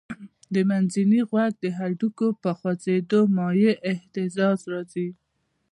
د منځني غوږ د هډوکو په خوځېدو مایع اهتزاز راځي.